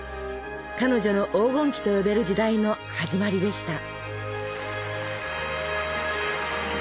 彼女の黄金期と呼べる時代の始まりでした。